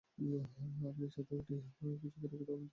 আপনি ছাদে উঠিয়া যাহা খুশি করুন, আমি তাহাতে আপত্তি করিবার কে?